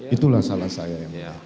itulah salah saya yang mulia